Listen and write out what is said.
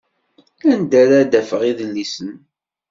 Anda ara d-afeɣ idlisen?